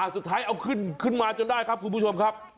สุดท้ายเอาขึ้นมาจนได้ครับคุณผู้ชมครับ